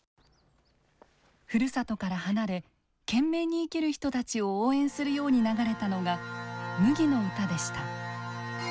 ふるさとから離れ懸命に生きる人たちを応援するように流れたのが「麦の唄」でした。